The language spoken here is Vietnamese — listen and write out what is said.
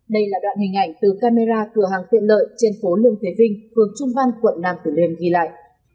đây là đoạn hình ảnh từ camera cửa hàng tiện lợi trên phố lương thế vinh phường trung văn quận nam tử liêm ghi lại